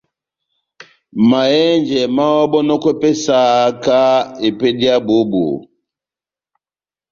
Mahɛ́njɛ máháhɔbɔnɔkwɛ pɛhɛ sahakahá ó epédi yá bohó-bohó.